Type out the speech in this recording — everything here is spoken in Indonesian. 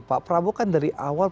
pak prabowo kan dari awal